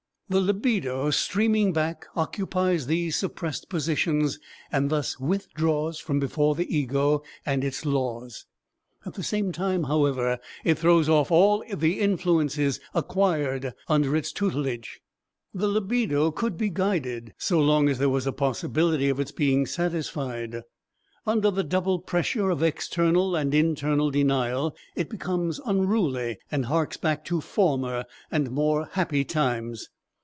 The libido, streaming back, occupies these suppressed positions and thus withdraws from before the ego and its laws. At the same time, however, it throws off all the influences acquired under its tutelage. The libido could be guided so long as there was a possibility of its being satisfied; under the double pressure of external and internal denial it becomes unruly and harks back to former and more happy times.